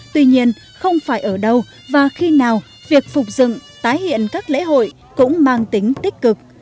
tuy nhiên không phải ở đâu và khi nào việc phục dựng tái hiện các lễ hội cũng mang tính tích cực